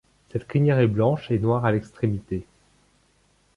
Cette crinière est blanche et noir à l’extrémité.